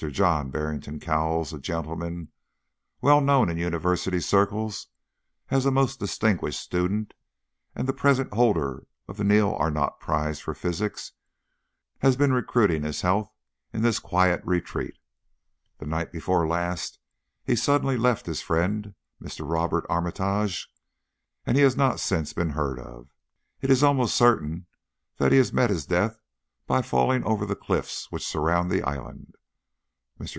John Barrington Cowles, a gentleman well known in University circles as a most distinguished student, and the present holder of the Neil Arnott prize for physics, has been recruiting his health in this quiet retreat. The night before last he suddenly left his friend, Mr. Robert Armitage, and he has not since been heard of. It is almost certain that he has met his death by falling over the cliffs which surround the island. Mr.